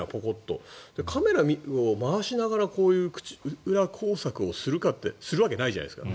カメラを回しながらこういう口裏工作をするかってするわけないじゃないですか。